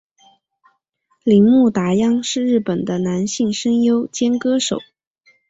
铃木达央是日本的男性声优兼歌手。